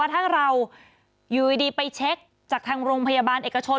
ถ้าเราอยู่ดีไปเช็คจากทางโรงพยาบาลเอกชน